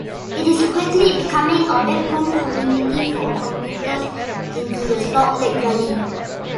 It is quickly becoming a bedroom community for commuters into the Salt Lake valley.